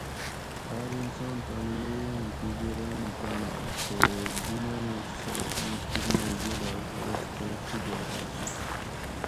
ہاۤر انسان تانی یئ ایں جِب رین جاناں تے دی مانوڄ سٞہ اِیں جِب مئ جولاگ آۤس کۤہ سُگار آشاں۔